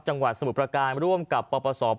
จังหวัดสมุทรประการร่วมกับปปศ